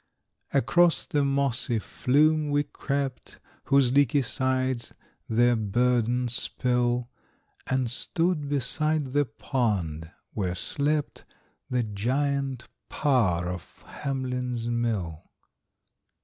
Across the mossy flume we crept, Whose leaky sides their burden spill, And stood beside the pond, where slept The giant power of Hamlin's Mill.